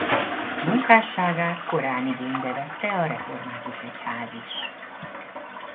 Munkásságát korán igénybe vette a református egyház is.